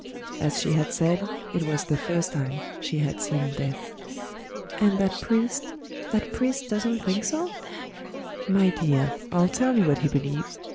As she had said, it was the first time she had seen death. "And that priest that priest doesn't think so?" "My dear, I'll tell you what he believes.